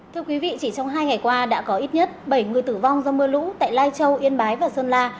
thưa quý vị chỉ trong hai ngày qua đã có ít nhất bảy người tử vong do mưa lũ tại lai châu yên bái và sơn la